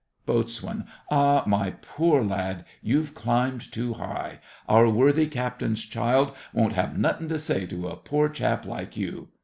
BOAT. Ah, my poor lad, you've climbed too high: our worthy captain's child won't have nothin' to say to a poor chap like you.